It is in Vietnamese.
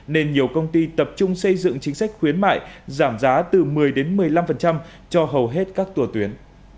nên nhiều công ty tập trung xây dựng chính sách khuyến mại giảm giá từ một mươi một mươi năm cho hầu hết các tùa tuyến